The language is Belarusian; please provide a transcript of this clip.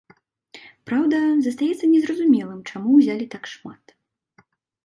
Праўда, застаецца незразумелым, чаму ўзялі так шмат.